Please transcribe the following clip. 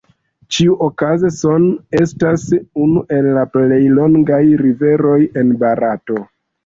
Ĉiuokaze Son estas unu el la plej longaj riveroj en Barato.